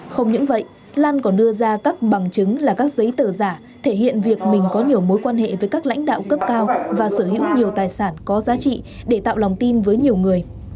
không những vậy lan còn đưa ra các bằng chứng là các giấy tờ giả thể hiện việc mình có nhiều mối quan hệ với các lãnh đạo cấp cao và sở hữu nhiều tài sản có giá trị để tạo lòng tin với nhiều người